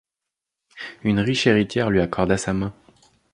Une riche héritière lui accorda sa main.